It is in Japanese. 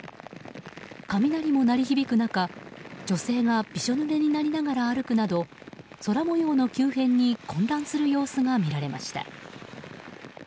雷も鳴り響く中女性がびしょぬれになりながら歩くなど空模様の急変に混乱する様子が見られました。